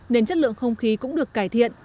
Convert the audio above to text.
nên chất lượng không khí cũng được cải thiện